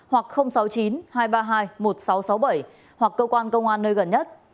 hoặc sáu mươi chín hai trăm ba mươi hai một nghìn sáu trăm sáu mươi bảy hoặc cơ quan công an nơi gần nhất